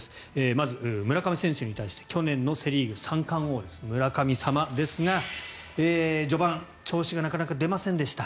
まず村上選手に対して去年のセ・リーグ三冠王です村神様ですが序盤、調子がなかなか出ませんでした。